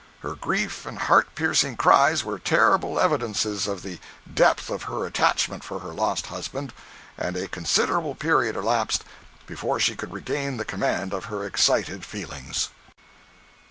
Her grief and heart piercing cries were terrible evidences of the depth of her attachment for her lost husband, and a considerable period elapsed before she could regain the command of her excited feelings.